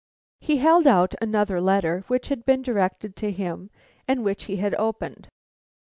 He held out another letter which had been directed to him, and which he had opened.